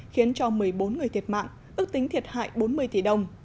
khiến cho một mươi bốn người thiệt mạng ước tính thiệt hại bốn mươi tỷ đồng